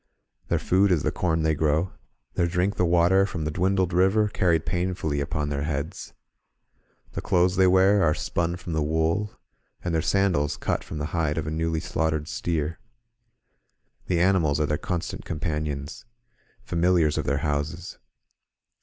Their food is the corn they grow; their drink the water frcmi the dwindled river, carried painfully upon their heads ; the clothes they wear are spun from the wool, and their sandals cut from the hide of a newly slaughtered steer. The animals are their constant companions, familiars of their houses.